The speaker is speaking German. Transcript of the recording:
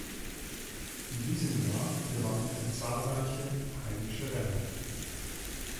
In diesen Jahr gewann er zahlreiche heimische Rennen.